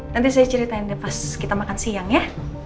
nanti saya ceritain deh pas kita makan siang ya